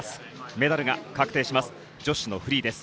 メダルが確定します。